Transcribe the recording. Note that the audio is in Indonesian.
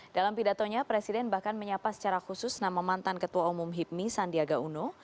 dalam pidatonya presiden bahkan menyapa secara khusus nama mantan ketua umum hipmi sandiaga uno